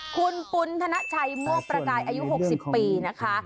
คุณปุณธนชัยมวกประกายอายุ๖๐ปีนะคะ